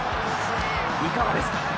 いかがですか。